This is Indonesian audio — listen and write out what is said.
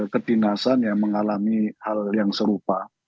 kedinasan yang mengalami hal yang serupa